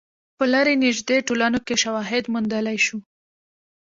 په لرې نژدې ټولنو کې شواهد موندلای شو.